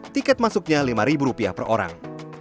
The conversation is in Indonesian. tiket masuknya rp lima per orang